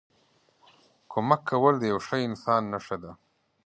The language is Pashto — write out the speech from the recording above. کمک کول د یوه ښه انسان نښه ده.